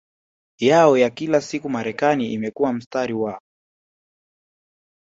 yao ya kila siku Marekani imekuwa mstari wa